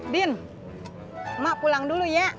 din mak pulang dulu ya